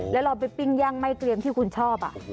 แล้วเราไปปิ้งย่างไม่เกรียมที่คุณชอบ